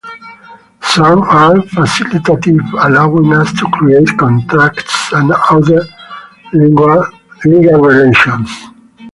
Some are facilitative, allowing us to create contracts and other legal relations.